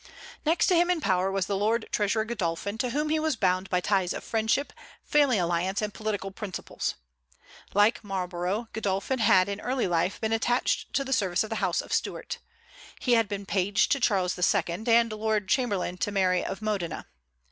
Next to him in power was the lord treasurer Godolphin, to whom he was bound by ties of friendship, family alliance, and political principles. Like Marlborough, Godolphin had in early life been attached to the service of the House of Stuart. He had been page to Charles II., and lord chamberlain to Mary of Modena.